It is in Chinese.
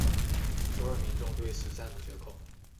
首尔民众对此赞不绝口。